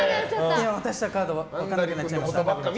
渡したカード分からなくなっちゃいましたか。